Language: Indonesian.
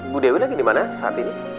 bu dewi lagi dimana saat ini